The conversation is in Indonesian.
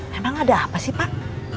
memang ada apa sih pak